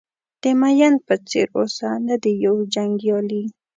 د مین په څېر اوسه نه د یو جنګیالي.